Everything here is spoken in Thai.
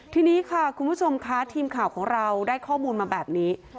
ทีนี้ค่ะคุณผู้ชมค่ะทีมข่าวของเราได้ข้อมูลมาแบบนี้